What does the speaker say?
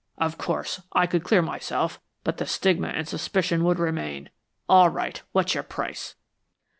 Of course, I could clear myself, but the stigma and suspicion would remain. All right, what's your price?"